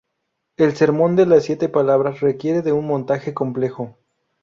El Sermón de las Siete Palabras requiere de un montaje complejo.